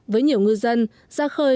với nhiều ngư dân ra khơi